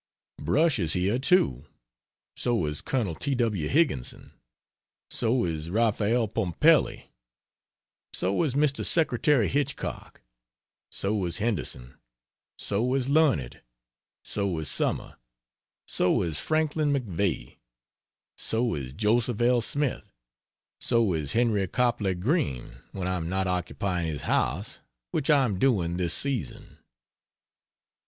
Brush is here, too; so is Col. T. W. Higginson; so is Raphael Pumpelly; so is Mr. Secretary Hitchcock; so is Henderson; so is Learned; so is Summer; so is Franklin MacVeigh; so is Joseph L. Smith; so is Henry Copley Greene, when I am not occupying his house, which I am doing this season.